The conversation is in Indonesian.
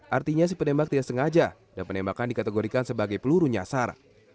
artinya si penembak tidak sengaja dan penembakan dikategorikan sebagai peluru nyasar